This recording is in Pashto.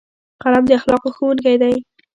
قلم د اخلاقو ښوونکی دی